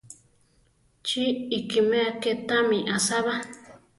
¡Chí ikiméa ké támi asába!